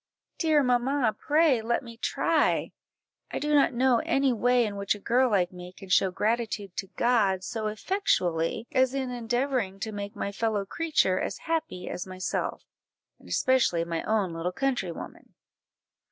Dear mamma, pray let me try! I do not know any way in which a girl like me can show gratitude to God so effectually, as in endeavouring to make my fellow creature as happy as myself, and especially my own little countrywoman."